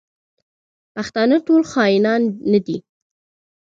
پښتانه ټول خاینان نه دي.